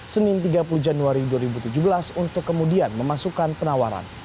senin tiga puluh januari dua ribu tujuh belas untuk kemudian memasukkan penawaran